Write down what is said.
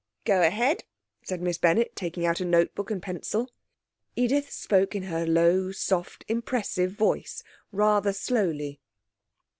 'Go ahead,' said Miss Bennett, taking out a note book and pencil. Edith spoke in her low, soft, impressive voice, rather slowly.